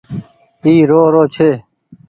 اي رو رو ڇي ۔